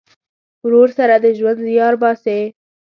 ورور سره د ژوند زیار باسې.